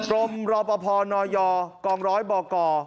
โรมรอบพนอยกรรมร้อยบก